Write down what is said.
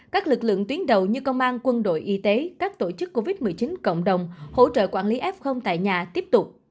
các lực lượng tuyến đầu như công an quân đội y tế các tổ chức covid một mươi chín cộng đồng hỗ trợ quản lý f tại nhà tiếp tục